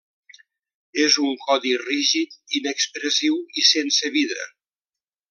És un codi rígid, inexpressiu i sense vida.